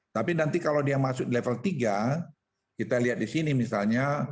tapi nanti kalau dia masuk level tiga kita lihat di sini misalnya